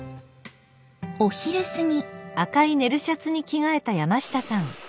お昼過ぎ。